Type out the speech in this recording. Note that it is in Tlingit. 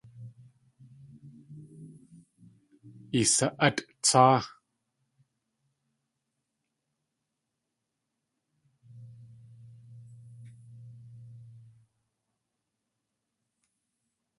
I sa.átʼ tsáa!